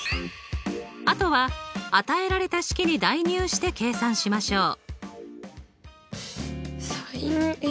あとは与えられた式に代入して計算しましょう。